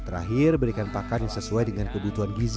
terakhir berikan pakan yang sesuai dengan kebutuhan gizi